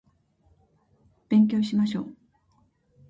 勉強しましょう